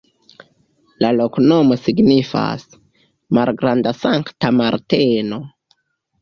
La loknomo signifas: malgranda-Sankta Marteno.